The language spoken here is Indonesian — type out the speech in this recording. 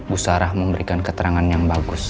bu sarah memberikan keterangan yang bagus